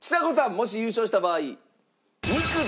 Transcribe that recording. もし優勝した場合。